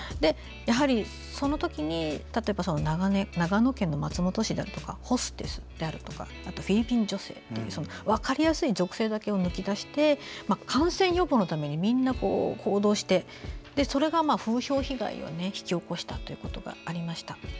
やはり、そのときに例えば長野県の松本市であるとかホステスであるとかフィリピン女性という分かりやすい属性だけを抜き出して感染予防のためにみんな行動してそれが風評被害を引き起こしたということがありました。